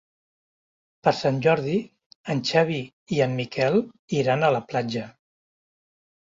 Per Sant Jordi en Xavi i en Miquel iran a la platja.